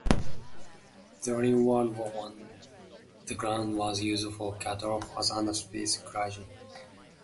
During World War One the ground was used for cattle, horse and sheep grazing.